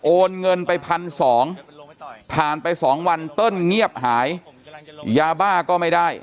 โอนเงินไปพันสองผ่านไป๒วันเติ้ลเงียบหายยาบ้าก็ไม่ได้